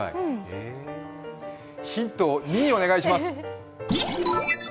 ヒント２をお願いします。